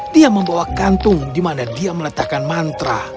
dia membawa kantung di mana dia meletakkan mantra